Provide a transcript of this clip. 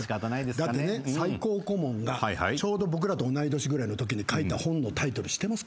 だってね最高顧問がちょうど僕らと同い年ぐらいのときに書いた本のタイトル知ってます？